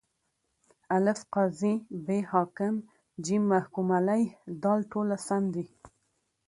الف: قاضي ب: حاکم ج: محکوم علیه د: ټوله سم دي.